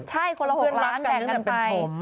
ใช่คนละ๖ล้านแบ่งกันไป